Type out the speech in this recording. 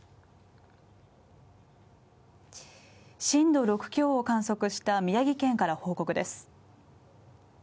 震度６強を観測した宮城県から報告です。